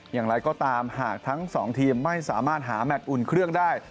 อย่างไรก็ตามหากทั้งสองทีมไม่สามารถหาแมทอุ่นเครื่องได้